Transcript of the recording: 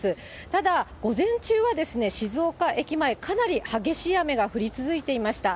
ただ、午前中は静岡駅前、かなり激しい雨が降り続いていました。